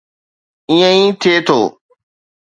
ائين ئي ٿئي ٿو.